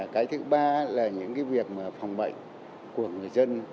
cái thứ ba là những cái việc phòng bệnh của người dân